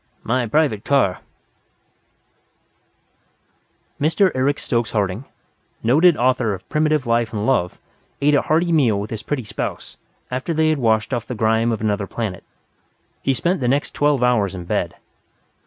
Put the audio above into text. My private car "Mr. Eric Stokes Harding, noted author of primitive life and love, ate a hearty meal with his pretty spouse, after they had washed off the grime of another planet. He spent the next twelve hours in bed.